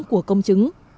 của công chứng